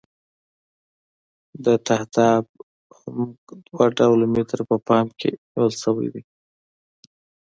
د تهداب عمق دوه متره په پام کې نیول شوی دی